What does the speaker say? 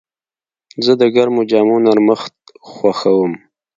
زه د ګرمو جامو نرمښت خوښوم.